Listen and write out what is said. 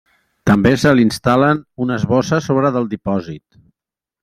També se li instal·len unes bosses sobre del dipòsit.